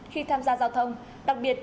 khi tham gia giao thông đặc biệt